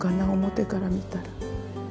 表から見たら。